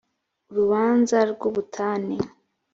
urubanza rw’ubutane